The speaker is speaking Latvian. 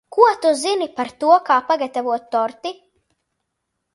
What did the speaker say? Ko tu zini par to, kā pagatavot torti?